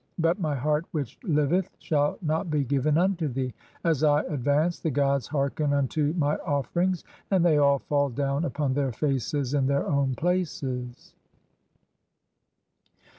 But "my heart which liveth shall not he given unto thee. (3) [As I] "advance, the gods hearken unto my offerings, and they all fall "down upon their faces in their own places."